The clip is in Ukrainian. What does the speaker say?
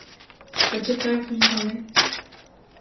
Та чи певні й вони?